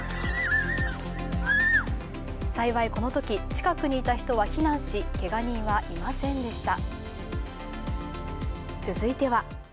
幸いこのとき近くにいた人は避難しけが人はいませんでした。